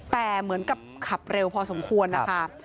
แต่เหมือนกับขับเร็วพอสมควรนะคะ